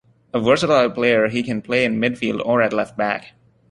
A versatile player, he can play in midfield or at left-back.